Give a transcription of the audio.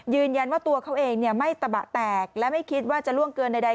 ยืนยันว่าตัวเขาเองไม่ตะบะแตกและไม่คิดว่าจะล่วงเกินใด